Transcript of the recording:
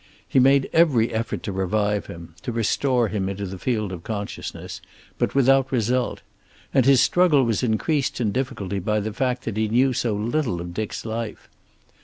He made every effort to revive him, to restore him into the field of consciousness, but without result. And his struggle was increased in difficulty by the fact that he knew so little of Dick's life.